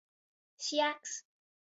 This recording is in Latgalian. Sjaks.